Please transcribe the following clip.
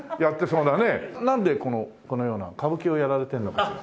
なんでこのような歌舞伎をやられてるのかしら？